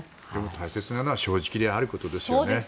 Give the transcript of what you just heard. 大切なのは正直であることですね。